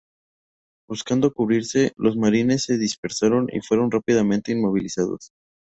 Buscando cubrirse, los marines se dispersaron y fueron rápidamente inmovilizados.